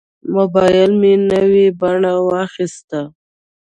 موبایل مې نوې بڼه واخیسته.